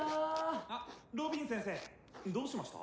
・あロビン先生どうしました？